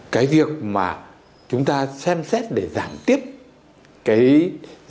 cái việc mà chúng ta xem xét để giảm tiếp cái giá xăng dầu